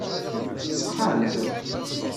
Tṣeḥḥamt?